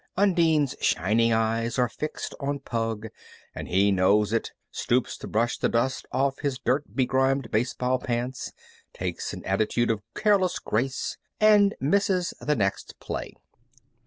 Undine's shining eyes are fixed on "Pug," and he knows it, stoops to brush the dust off his dirt begrimed baseball pants, takes an attitude of careless grace and misses the next play.